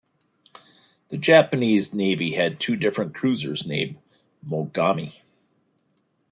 The Japanese Navy had two different cruisers named "Mogami".